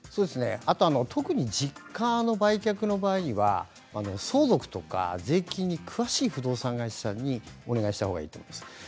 特に実家の売却の場合には相続とか税金に詳しい不動産会社にお願いをしたほうがいいですね。